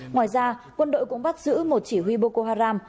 ngoài ra quân đội cũng bắt giữ một chỉ huy boko haram